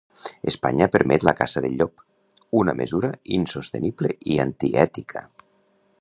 Espanya permet la caça del llop: una mesura insostenible i antiètica